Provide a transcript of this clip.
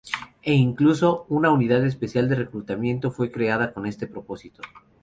E incluso una unidad especial de reclutamiento fue creada con este propósito.